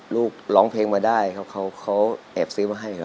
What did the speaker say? ร้องเพลงมาได้ครับเขาแอบซื้อมาให้ครับ